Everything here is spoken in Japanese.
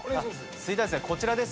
続いてはこちらです。